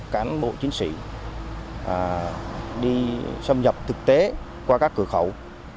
cán bộ chiến sĩ đi xâm nhập thực tế qua các cửa khẩu